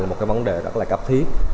là một cái vấn đề rất là cấp thiết